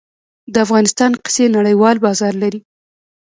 د افغانستان قیسی نړیوال بازار لري